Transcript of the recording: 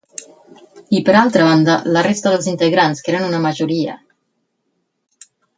I per altra banda, la resta dels integrants que eren una majoria.